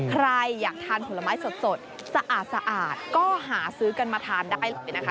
ใครอยากทานผลไม้สดสะอาดก็หาซื้อกันมาทานได้เลยนะคะ